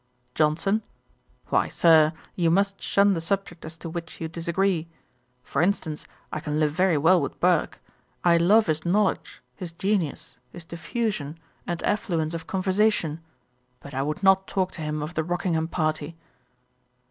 JOHNSON. 'Why, Sir, you must shun the subject as to which you disagree. For instance, I can live very well with Burke: I love his knowledge, his genius, his diffusion, and affluence of conversation; but I would not talk to him of the Rockingham party.'